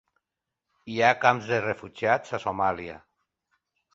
Hi ha camps de refugiats de Somàlia.